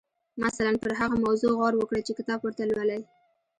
مثلاً پر هغه موضوع غور وکړئ چې کتاب ورته لولئ.